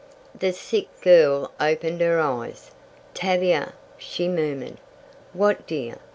The sick girl opened her eyes. "Tavia!" she murmured. "What, dear?"